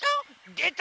でた！